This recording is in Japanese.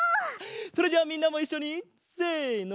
それじゃあみんなもいっしょにせの！